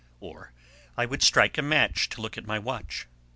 Or I would strike a match to look at my watch.